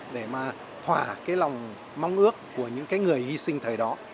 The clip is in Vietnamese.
để mà thỏa cái lòng mong ước của những cái người hy sinh thời đó